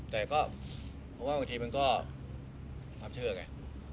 แต่ก็เพราะว่าบางทีมันก็ความเชื่อไง